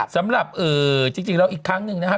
สำหรับจริงแล้วอีกครั้งหนึ่งนะครับ